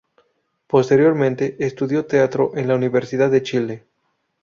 Posteriormente, estudió teatro en la Universidad de Chile.